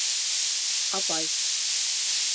Апай.